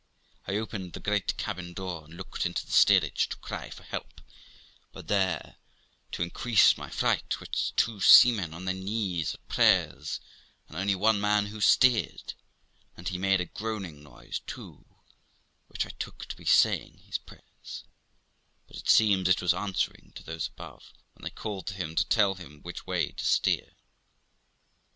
I opened the great cabin door, and looked into the steerage to cry for help, but there, to increase my fright, was two seamen on their knees at prayers, and only one man who steered, and he made a groaning noise too, which I took to be saying his prayers, but it seems it was answering to those above, when they called to him to tell him which way to steer.